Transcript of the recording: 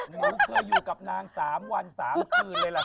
แล้วเธออยู่กับนาง๓วัน๓คืนเลยล่ะค่ะ